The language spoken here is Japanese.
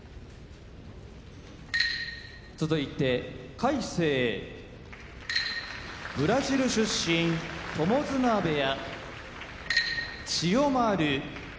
魁聖ブラジル出身友綱部屋千代丸